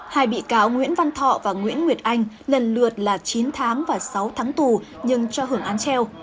hai bị cáo nguyễn văn thọ và nguyễn nguyệt anh lần lượt là chín tháng và sáu tháng tù nhưng cho hưởng án treo